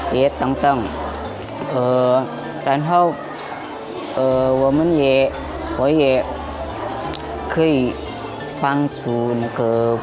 dan saya juga bisa membantu ibu bapa saya karena sekarang saya sudah bekerja